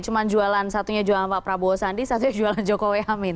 cuma jualan satunya jualan pak prabowo sandi satunya jualan jokowi amin